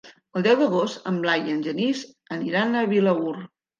El deu d'agost en Blai i en Genís aniran a Vilaür.